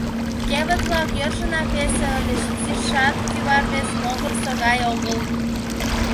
Кевыт-влак йӧршынак весе ыльыч, изишат кӱвар вес могырысо гай огыл.